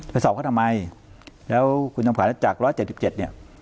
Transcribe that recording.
ไปสอบเขาทำไมแล้วคุณตำรวจนัดจาก๑๗๗เนี่ย